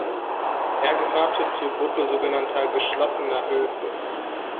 Er gehörte zur Gruppe sogenannter "geschlossener Höfe".